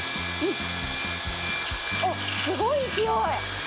あっすごい勢い。